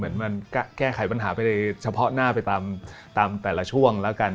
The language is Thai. มันก็แก้ไขปัญหาไปในเฉพาะหน้าไปตามแต่ละช่วงแล้วกัน